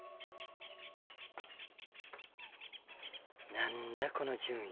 なんだこの順位。